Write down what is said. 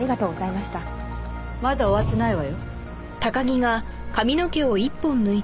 まだ終わってないわよ。